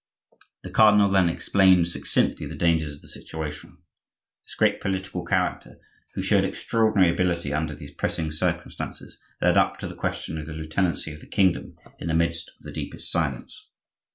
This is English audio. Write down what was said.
The cardinal then explained succinctly the dangers of the situation. This great political character, who showed extraordinary ability under these pressing circumstances, led up to the question of the lieutenancy of the kingdom in the midst of the deepest silence.